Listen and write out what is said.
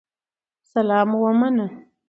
سلام مي ومنه